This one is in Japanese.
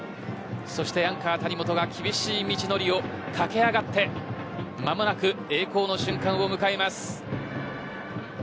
そしてアンカー谷本が厳しい道のりを駆け上がって間もなく栄光の瞬間を迎えます。